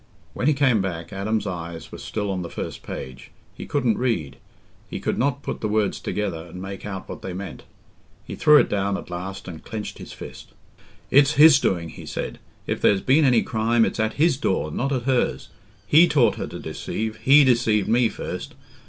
When he came back, Adam's eyes were still on the first page—he couldn't read—he could not put the words together and make out what they meant. He threw it down at last and clenched his fist. "It's his doing," he said; "if there's been any crime, it's at his door, not at hers. He taught her to deceive—he deceived me first.